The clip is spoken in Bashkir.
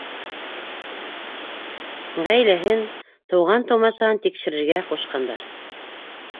Ғаиләһен, туған- тыумасаһын тикшерергә ҡушҡандар.